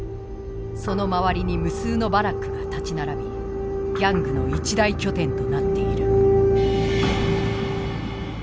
その周りに無数のバラックが建ち並びギャングの一大拠点となっている。